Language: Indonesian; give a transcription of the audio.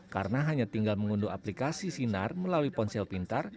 karena hanya tinggal mengunduh aplikasi sinar melalui ponsel pintar